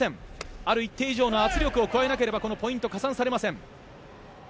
ある一定以上の圧力を加えないとこのポイントは加算されません。